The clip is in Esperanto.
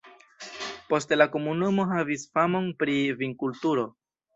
Poste la komunumo havis famon pri vinkulturo.